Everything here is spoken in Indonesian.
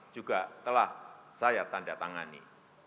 juga telah saya tandatangani